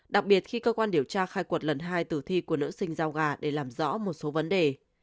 đặc biệt khi cơ quan điều tra khai quật lần hai tử thi của nữ sinh giao gà để làm rõ một số vấn đề